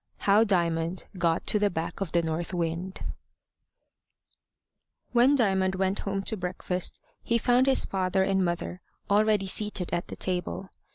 HOW DIAMOND GOT TO THE BACK OF THE NORTH WIND WHEN Diamond went home to breakfast, he found his father and mother already seated at the table.